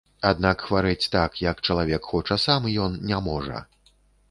Аднак хварэць так, як чалавек хоча сам, ён не можа.